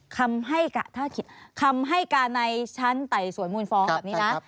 คำให้การในชั้นไต่สวนมูลฟ้อนี่นะ